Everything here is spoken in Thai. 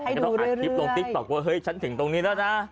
ก็ต้องอัดคลิปลงติ๊กต๊อกว่าเฮ้ยฉันถึงตรงนี้แล้วนะ